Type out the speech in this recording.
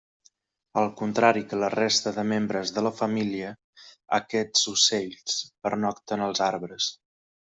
Al contrari que la resta de membres de la família, aquests ocells pernocten als arbres.